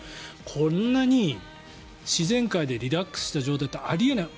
こんなに自然界でリラックスした状態ってあり得ない。